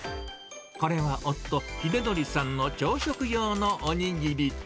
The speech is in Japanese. これは夫、ひでのりさんの朝食用のお握り。